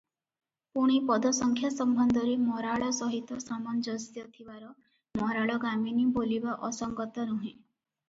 ପୁଣି ପଦସଂଖ୍ୟା ସମ୍ବନ୍ଧରେ ମରାଳ ସହିତ ସାମଞ୍ଜସ୍ୟ ଥିବାର ମରାଳଗାମିନୀ ବୋଲିବା ଅସଙ୍ଗତ ନୁହେଁ ।